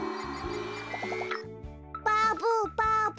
バブバブ。